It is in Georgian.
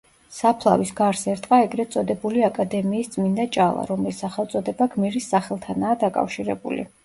საფლავის გარს ერტყა ეგრეთ წოდებული აკადემიის წმინდა ჭალა, რომლის სახელწოდება გმირის სახელთანაა დაკავშირებული.